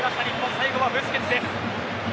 最後はブスケツです。